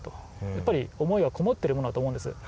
やっぱり思いがこもってるものだと思うんです。